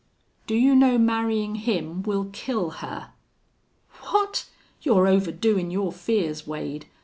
"Do you know marryin' him will kill her?" "What!... You're overdoin' your fears, Wade.